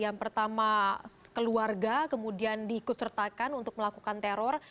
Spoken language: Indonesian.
yang pertama keluarga kemudian diikut sertakan untuk melakukan teror